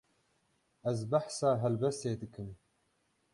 Ez behsa helbestê dikim.